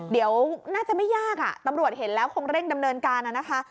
เดี๋ยวน่าจะไม่ยากอ่ะตำรวจเห็นแล้วคงเร่งดำเนินการนะคะ